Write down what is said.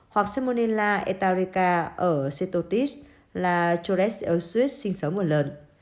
hoặc salmonella enterica ở cetotis là choresiosus sinh sống một lần